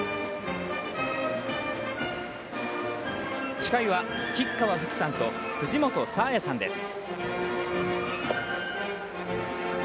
司会は吉川阜希さんと藤本紗也さんです。